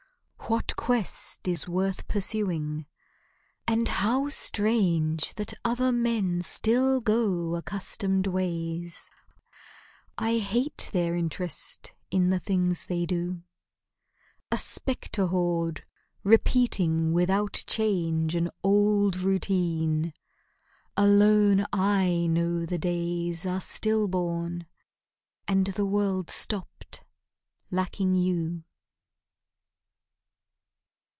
What quest is worth pursuing? And how strange That other men still go accustomed ways! I hate their interest in the things they do. A spectre horde repeating without change An old routine. Alone I know the days Are still born, and the world stopped, lacking you.